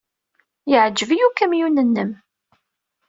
Yeɛjeb-iyi ukamyun-nnem.